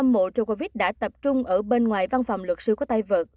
bộ djokovic đã tập trung ở bên ngoài văn phòng luật sư có tay vợt